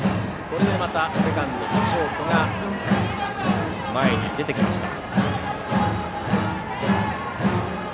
これでまたセカンドとショートが前に出てきました。